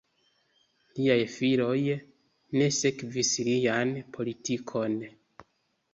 Liaj filoj ne sekvis lian politikon.